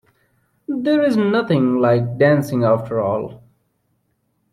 There is nothing like dancing after all.